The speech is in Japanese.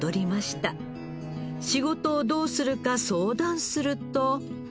仕事をどうするか相談すると